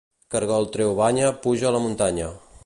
Cargol treu banya puja a la muntanya